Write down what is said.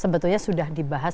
sebetulnya sudah dibahas